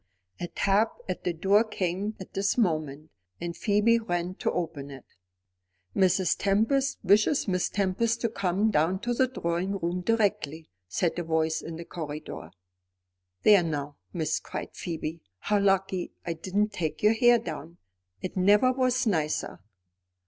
A tap at the door came at this moment, and Phoebe ran to open it. "Mrs. Tempest wishes Miss Tempest to come down to the drawing room directly," said a voice in the corridor. "There now, miss," cried Phoebe, "how lucky I didn't take your hair down. It never was nicer."